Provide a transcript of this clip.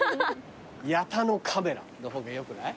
「ヤタのカメラ」の方がよくない？